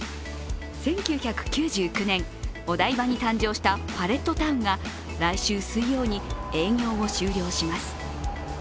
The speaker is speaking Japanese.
１９９９年、お台場に誕生したパレットタウンが来週水曜に営業を終了します。